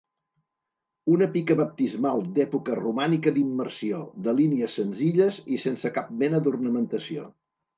Una pica baptismal d'època romànica d'immersió, de línies senzilles i sense cap mena d'ornamentació.